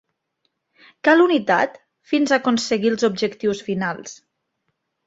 Cal unitat fins aconseguir els objectius finals.